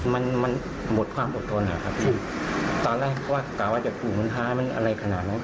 มันมันหมดความอดทนนะครับพี่ตอนแรกว่ากะว่าจะถูกมันท้ามันอะไรขนาดนั้น